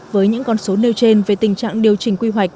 với những con số nêu trên về tình trạng điều chỉnh quy hoạch